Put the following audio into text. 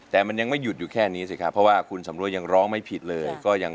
แต่มันยังไม่หยุดอยู่แค่นี้ค่ะเพราะคุณศำรวยร้องไม่ผิดเลย